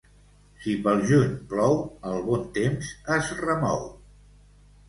Si pel juny plou, el bon temps es remou.